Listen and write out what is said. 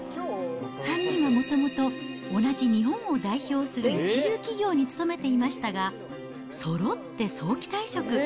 ３人はもともと同じ日本を代表する一流企業に勤めていましたが、そろって早期退職。